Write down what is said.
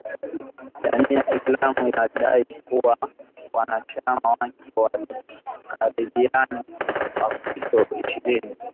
Jamii ya kiislam ilidai kuwa wanachama wake waliwauwa takribani wakristo ishirini